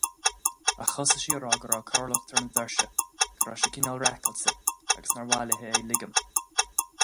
Ach thosaigh sí ag rá go raibh corrlocht ar na doirse, go raibh sé cineál raiceáilte agus nár mhaith léi é a ligean.